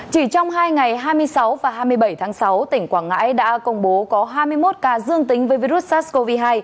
chỉ trong hai ngày hai mươi sáu và hai mươi bảy tháng sáu tỉnh quảng ngãi đã công bố có hai mươi một ca dương tính với virus sars cov hai